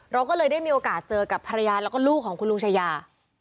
เราก็เลยได้มีโอกาสเจอกับภรรยาแล้วก็ลูกของคุณลุงชายา